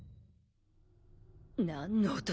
何の音だ。